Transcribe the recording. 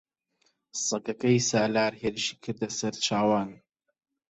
سەگەکەی سالار هێرشی کردە سەر چاوان.